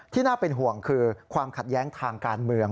น่าเป็นห่วงคือความขัดแย้งทางการเมือง